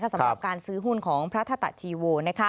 สำหรับการซื้อหุ้นของพระธตะชีโว